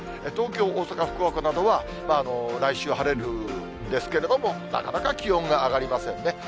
東京、大阪、福岡などは、来週晴れるんですけれども、なかなか気温が上がりませんね。